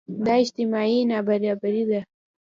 دا اجتماعي نابرابري ده.